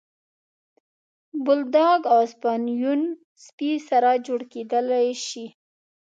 بولداګ او اسپانیول سپي سره جوړه کېدلی شي.